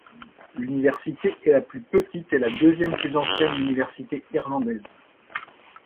L'université est la plus petite et la deuxième plus ancienne université irlandaise.